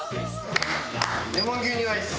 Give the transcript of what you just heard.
レモン牛乳アイス。